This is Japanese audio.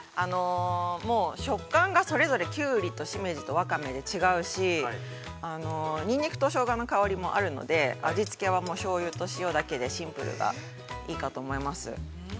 ◆もう、食感がそれぞれキュウリとしめじとワカメで違うし、ニンニクとしょうがの香りもあるので、味つけはもうしょうゆと塩だけでシンプルがいいかと思います。